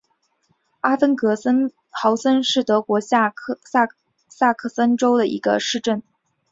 阿芬格豪森是德国下萨克森州的一个市镇。